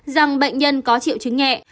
rằng bệnh nhân có triệu chứng nhẹ